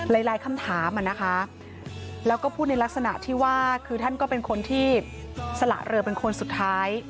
หลายคำถามอ่ะนะคะแล้วก็พูดในลักษณะที่ว่าคือท่านก็เป็นคนที่สละเรือเป็นคนสุดท้าย